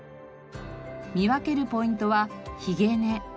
見分けるポイントはひげ根。